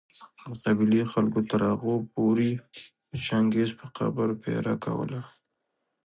د قبېلې خلکو تر هغو پوري د چنګېز په قبر پهره کوله